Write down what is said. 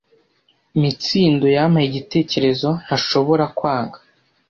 Mitsindo yampaye igitekerezo ntashobora kwanga.